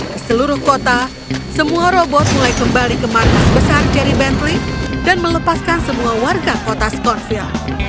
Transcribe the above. di seluruh kota semua robot mulai kembali ke markas besar jerry bentley dan melepaskan semua warga kota scornfield